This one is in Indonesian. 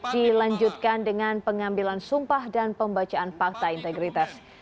dilanjutkan dengan pengambilan sumpah dan pembacaan fakta integritas